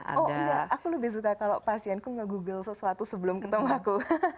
oh enggak aku lebih suka kalau pasienku nge google sesuatu sebelum ketemu aku